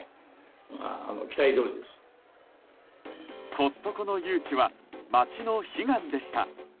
コストコの誘致は町の悲願でした。